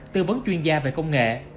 tư vấn chuyên gia về công nghệ